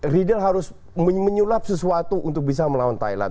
riedel harus menyulap sesuatu untuk bisa melawan thailand